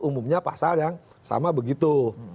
umumnya pasal yang sama begitu